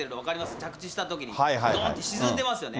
着地したときに、どーんと沈んでますよね。